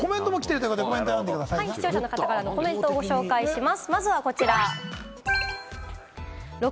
視聴者の方からのコメントをご紹介します。